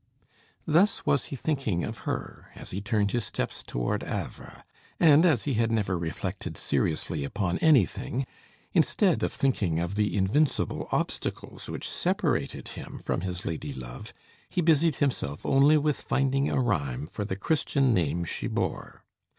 Thus was he thinking of her as he turned his steps toward Havre; and, as he had never reflected seriously upon anything, instead of thinking of the invincible obstacles which separated him from his lady love, he busied himself only with finding a rhyme for the Christian name she bore.